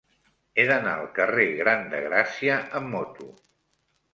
He d'anar al carrer Gran de Gràcia amb moto.